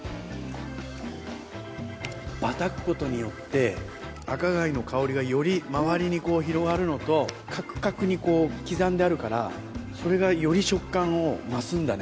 ばたくことによって赤貝の香りがより周りに広がるのとカクカクに刻んであるからそれがより食感を増すんだね。